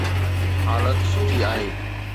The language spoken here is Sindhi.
حالت سٺي آهي